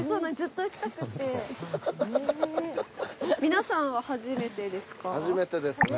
皆さんは初めてですか？